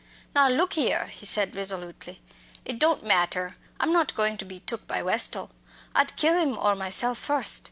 "Now look here," he said resolutely, "it don't matter. I'm not goin' to be took by Westall. I'd kill him or myself first.